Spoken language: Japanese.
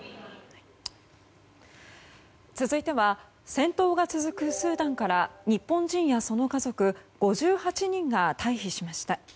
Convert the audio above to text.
続いては戦闘が続くスーダンから日本人やその家族５８人が退避しました。